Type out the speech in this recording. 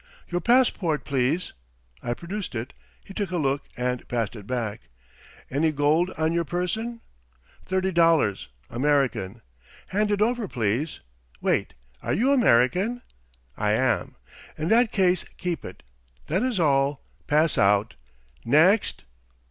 "Your passport, please." I produced it. He took a look and passed it back. "Any gold on your person?" "Thirty dollars American." "Hand it over, please. Wait. Are you American?" "I am." "In that case keep it. That is all. Pass out. Next."